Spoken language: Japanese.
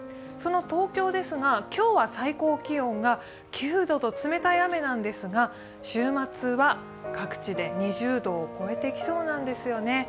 その東京ですが今日は最高気温が９度と冷たい雨なんですが、週末は各地え２０度を越えてきそうなんですよね。